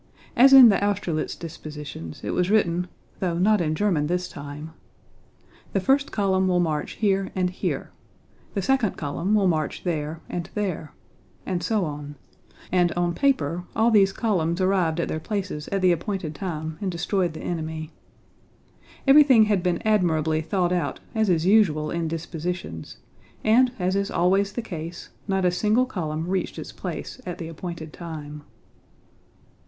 As in the Austerlitz dispositions, it was written—though not in German this time: "The First Column will march here and here," "the Second Column will march there and there," and so on; and on paper, all these columns arrived at their places at the appointed time and destroyed the enemy. Everything had been admirably thought out as is usual in dispositions, and as is always the case, not a single column reached its place at the appointed time.